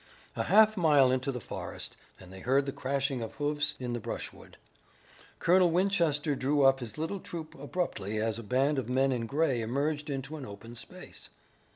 A half mile into the forest and they heard the crashing of hoofs in the brushwood. Colonel Winchester drew up his little troop abruptly as a band of men in gray emerged into an open space.